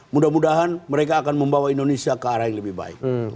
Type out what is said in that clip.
mudah mudahan mereka akan membawa indonesia ke arah yang lebih baik